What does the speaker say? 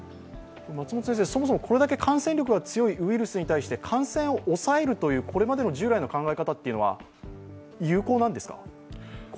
そもそもこれだけ感染力が強いウイルスに対して感染を抑えるというこれまでの従来の考え方は有効なんですか？